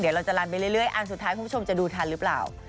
เดี๋ยวเราจะลันไปเรื่อยอันสุดท้ายคุณผู้ชมจะดูทันหรือเปล่า